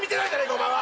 お前は。